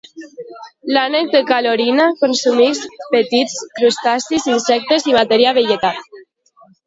L"ànec de Carolina consumeix petits crustacis, insectes i matèria vegetal.